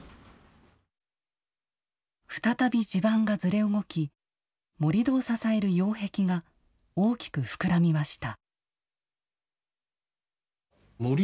再び地盤がずれ動き盛土を支える擁壁が大きく膨らみました。